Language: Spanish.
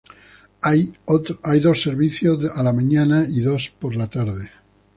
Hay dos servicios a la mañana y dos a la tarde.